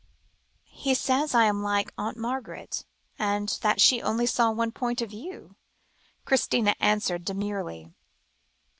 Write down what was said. "He says I am like Aunt Margaret, and that she only saw one point of view," Christina answered demurely.